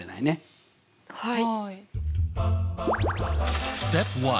はい。